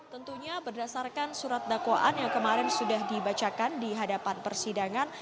tentunya berdasarkan surat dakwaan yang kemarin sudah dibacakan di hadapan persidangan